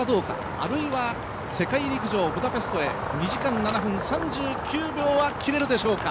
あるいは世界陸上ブダペストへ２時間７分３９秒は切れるでしょうか。